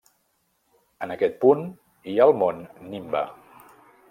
En aquest punt hi ha el mont Nimba.